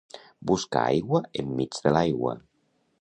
Busca aigua enmig de l'aigua.